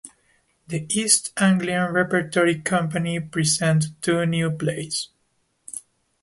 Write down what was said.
The East Anglian Repertory Company present two new plays.